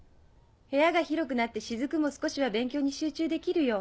部屋が広くなって雫も少しは勉強に集中できるよ。